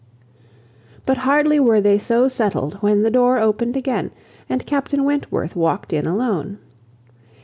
But hardly were they so settled, when the door opened again, and Captain Wentworth walked in alone.